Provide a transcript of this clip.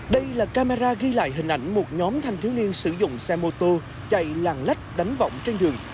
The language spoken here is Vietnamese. đây là camera ghi lại hình ảnh một nhóm thanh thiếu niên sử dụng xe mô tô chạy làng lách đánh vọng trên đường